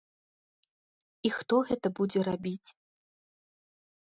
І хто гэта будзе рабіць?